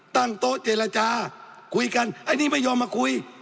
ตั้งโต๊ะเจรจาคุยกันไอ้นี่ไม่ยอมมาคุย